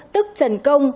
tức trần công